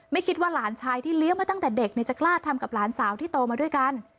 คิดว่าหลานชายที่เลี้ยงมาตั้งแต่เด็กจะกล้าทำกับหลานสาวที่โตมาด้วยกัน